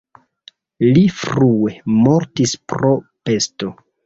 Li frue mortis pro pesto.